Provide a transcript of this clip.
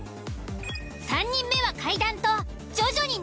［３人目は］